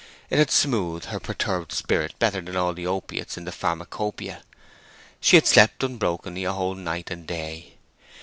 It had soothed her perturbed spirit better than all the opiates in the pharmacopoeia. She had slept unbrokenly a whole night and a day.